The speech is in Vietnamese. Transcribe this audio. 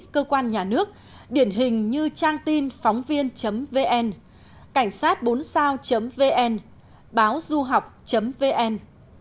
cơ quan nhà nước điển hình như trang tin phóng viên vn cảnh sát bốn sao vn báoh du học vn